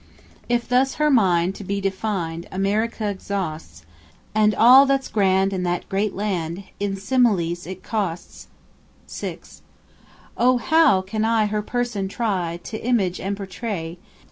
If thus her mind to be defined America exhausts, And all that's grand in that great land In similes it costs 6. Oh how can I her person try To image and portray?